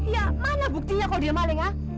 ya mana buktinya kalau dia maling ya